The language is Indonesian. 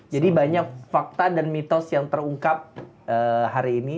jadi banyak fakta dan mitos yang terungkap hari ini